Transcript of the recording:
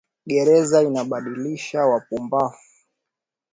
Gereza inaadibisha wa pumbafu